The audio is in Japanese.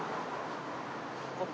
ここ？